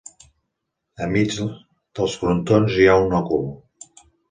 Al mig dels frontons hi ha un òcul.